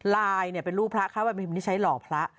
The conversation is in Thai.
ลายเป็นรูปพระข้าวแบบนี้ใช้หล่อพระ